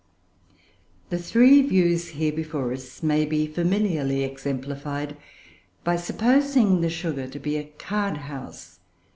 The three views here before us may be familiarly exemplified by supposing the sugar to be a card house.